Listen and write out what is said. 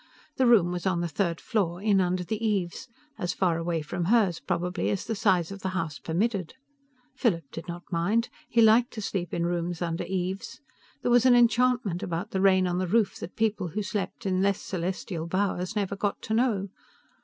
The room was on the third floor in under the eaves as faraway from hers, probably, as the size of the house permitted. Philip did not mind. He liked to sleep in rooms under eaves. There was an enchantment about the rain on the roof that people who slept in less celestial bowers never got to know.